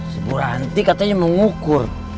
si buranti katanya mau ngukur